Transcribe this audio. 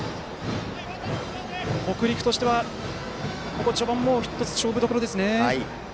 北陸としては序盤、１つの勝負どころですね。